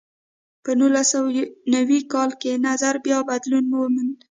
په نولس سوه نوي کال کې نظر بیا بدلون وموند.